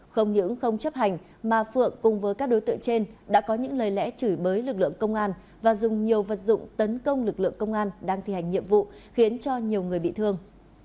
không những không chấp hành mà phượng cùng với các đối tượng trên đã có những lời lẽ chửi bới lực lượng công an và dùng nhiều vật dụng tấn công lực lượng công an đang thi hành nhiệm vụ khiến cho nhiều người bị thương